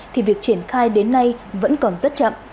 thì việc triển khai đến nay vẫn còn rất chậm